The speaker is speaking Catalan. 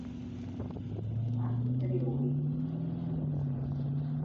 Va atribuir aquesta explicació a Posidoni.